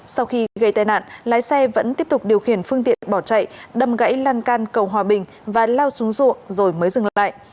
sau khi gây tai nạn lái xe vẫn tiếp tục điều khiển phương tiện bỏ chạy đâm gãy lan can cầu hòa bình và lao xuống ruộng rồi mới dừng lại